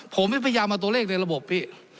ผมไม่พยายามเอาตัวเลขในระบบพี่